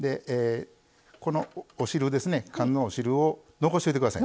このお汁、缶のお汁を残しておいてください。